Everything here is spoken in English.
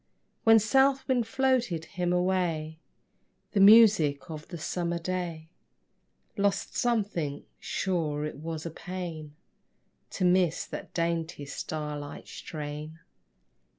When south wind floated him away The music of the summer day Lost something: sure it was a pain To miss that dainty star light strain.